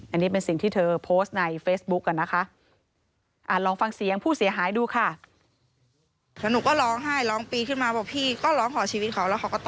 อันนี้เป็นสิ่งที่เธอโพสต์ในเฟซบุ๊กนะคะ